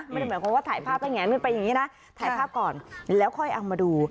ไม่ได้หมายความว่าถ่ายภาพแล้วแงนขึ้นไปอย่างนี้นะถ่ายภาพก่อนแล้วค่อยเอามาดู